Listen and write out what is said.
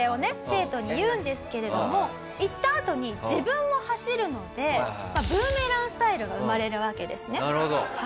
生徒に言うんですけれども言ったあとに自分も走るのでブーメランスタイルが生まれるわけですね。